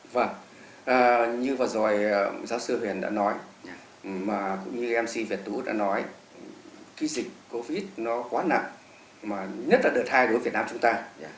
vâng như vừa rồi giáo sư huyền đã nói cũng như mc việt tú đã nói cái dịch covid nó quá nặng mà nhất là đợt hai đối với việt nam chúng ta